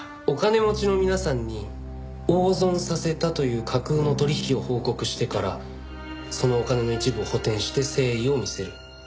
お金持ちの皆さんに大損させたという架空の取引を報告してからそのお金の一部を補填して誠意を見せる。